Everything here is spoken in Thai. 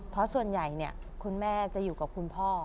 เพราะส่วนใหญ่คุณแม่จะอยู่กับคุณพ่อ